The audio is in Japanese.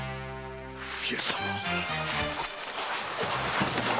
「上様」？